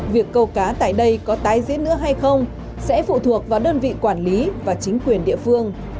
việc câu cá tại đây có tái diễn nữa hay không sẽ phụ thuộc vào đơn vị quản lý và chính quyền địa phương